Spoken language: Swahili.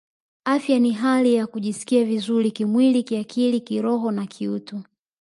Afya ni hali ya kujisikia vizuri kimwili kiakili kiroho na kiutu